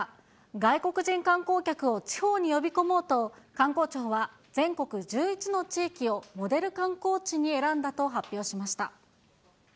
外国人観光客を地方に呼び込もうと、観光庁は全国１１の地域をモデル観光地に選んだと発表しました。